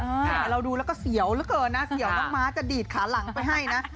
แต่เราดูแล้วก็เสียวเหลือเกินนะเสียวน้องม้าจะดีดขาหลังไปให้นะ